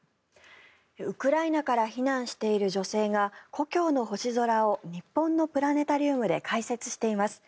ウクライナから避難している女性が故郷の星空を日本のプラネタリウムで解説しています。